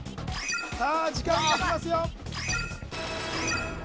さあ時間がきますよ